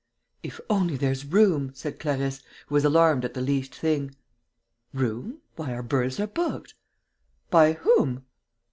"If only there's room!" said Clarisse, who was alarmed at the least thing. "Room? Why, our berths are booked!" "By whom?"